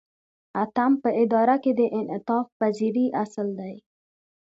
اتم په اداره کې د انعطاف پذیری اصل دی.